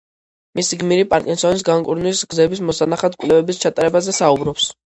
მისი გმირი პარკინსონის განკურნვის გზების მოსანახად კვლევების ჩატარებაზე საუბრობს.